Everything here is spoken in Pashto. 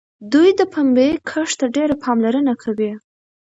دوی د پنبې کښت ته ډېره پاملرنه کوي.